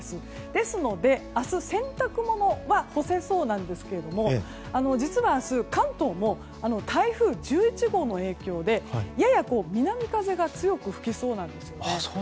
ですので明日洗濯物は干せそうなんですが実は明日関東も台風１１号の影響でやや南風が強く吹きそうなんです。